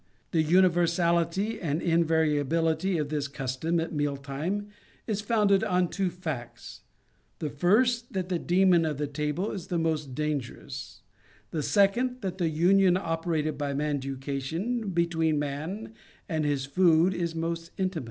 The universality and invaria bility of this custom at meal time is founded on two facts. The first, that the demon of the table is the most dangerous ;* the second, that the union operated by manducation between man and his food is most intimate, * Olein.